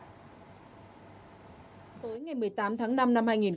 tới ngày một mươi tám tháng năm năm hai nghìn hai mươi hai